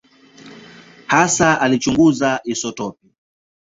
Hasa alichunguza isotopi.